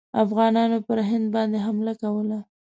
افغانانو پر هند باندي حمله کوله.